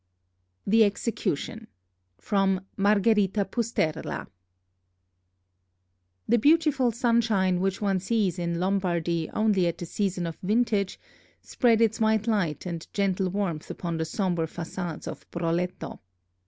THE EXECUTION From 'Margherita Pusterla' The beautiful sunshine which one sees in Lombardy only at the season of vintage, spread its white light and gentle warmth upon the sombre façades of Broletto.